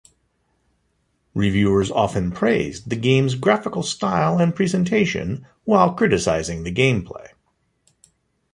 Reviewers often praised the game's graphical style and presentation, while criticising the gameplay.